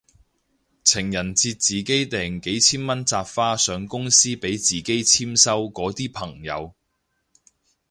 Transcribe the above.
情人節自己訂幾千蚊紮花上公司俾自己簽收嗰啲朋友